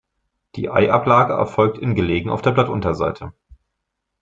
Die Eiablage erfolgt in Gelegen auf der Blattunterseite.